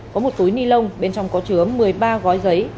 có một túi ni lông bên trong có chứa một mươi ba gói giấy